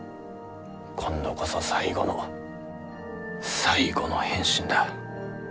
今度こそ最後の最後の変身だ。